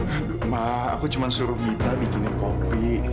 aduh ma aku cuma suruh mita bikinnya kopi